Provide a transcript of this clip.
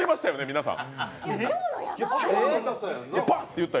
皆さん。